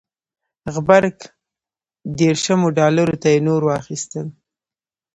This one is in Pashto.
غبرګ دېرشمو ډالرو ته یې نور واخیستل.